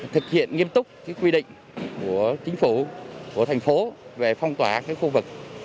thực hiện nghiêm túc cái quy định của chính phủ của thành phố về phong tỏa cái khu vực